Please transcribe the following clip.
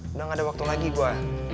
udah gak ada waktu lagi gue